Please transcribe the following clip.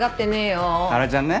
ハラちゃんね。